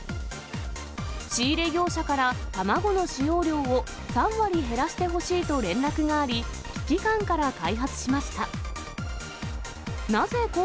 仕入れ業者から卵の使用量を３割減らしてほしいと連絡があり、危機感から開発しました。